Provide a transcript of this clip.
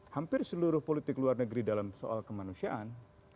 hampir seluruh politik luar negeri dalam soal kemanusiaan